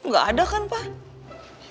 gak ada kan pak